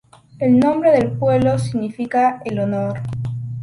El nombre del pueblo significa "el honor".